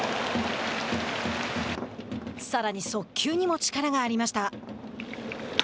さらに速球にも力がありました。